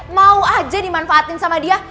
mau aja dimanfaatin sama dia